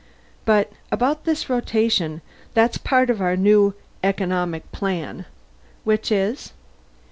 But about this rotation that's part of our new economic plan." "Which is?"